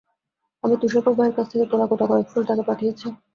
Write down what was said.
আমি তুষার প্রবাহের কাছ থেকে তোলা গোটাকয়েক ফুল তাকে পাঠিয়েছি।